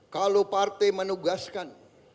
kalau partai menugaskan